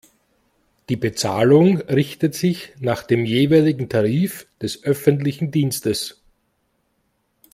Die Bezahlung richtet sich nach dem jeweiligen Tarif des öffentlichen Dienstes.